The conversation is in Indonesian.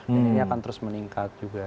dan ini akan terus meningkat juga